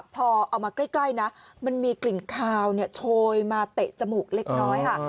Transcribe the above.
พอเอามาใกล้นะมันมีกลิ่นคาวโชยมาเตะจมูกเล็กน้อยค่ะ